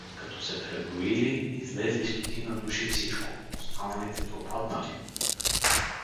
Като се преброили, излезли стотина души всичко, останалите пропаднали!